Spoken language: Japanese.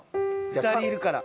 ２人いるから。